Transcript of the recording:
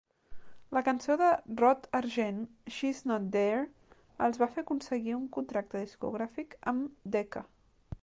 La cançó de Rod Argent, "She's Not There", els va fer aconseguir un contracte discogràfic amb Decca.